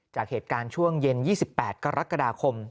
จากเหตุการณ์ช่วงเย็น๒๘กรกฎาคม